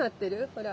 ほら。